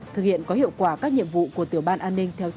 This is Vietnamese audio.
thực hiện có hiệu quả các nhiệm vụ của tiểu ban an ninh